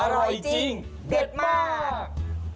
อร่อยจริงเด็ดมาก